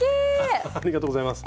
ありがとうございます。